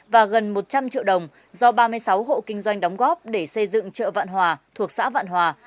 và gần một trăm linh triệu đồng do ba mươi sáu hộ kinh doanh đóng góp để xây dựng chợ vạn hòa thuộc xã vạn hòa